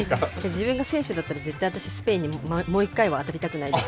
自分が選手だったらスペインにもう一回は当たりたくないです。